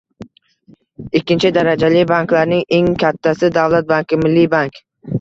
Ikkinchi darajali banklarning eng kattasi - davlat banki - Milliy bank